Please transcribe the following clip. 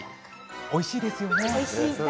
おいしいですよね。